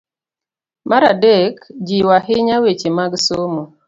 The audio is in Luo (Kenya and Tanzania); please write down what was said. Mar adek, jiwo ahinya weche mag somo